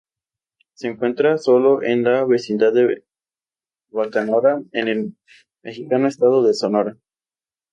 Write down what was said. Se encuentra sólo de la vecindad de Bacanora, en el mexicano estado de Sonora.